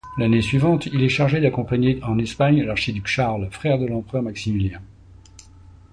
L'année suivante il est chargé d'accompagner en Espagne l'archiduc Charles, frère de l'empereur Maximilien.